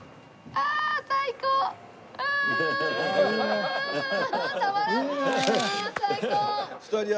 ああ最高！